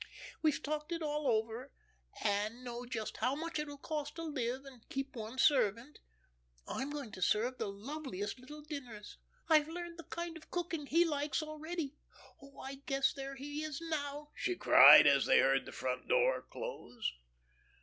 We've talked it all over, and know just how much it will cost to live and keep one servant. I'm going to serve the loveliest little dinners; I've learned the kind of cooking he likes already. Oh, I guess there he is now," she cried, as they heard the front door close.